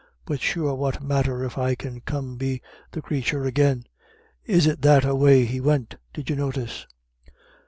But sure what matter if I can come be the crathur agin. Is it that a way he went, did you notice?"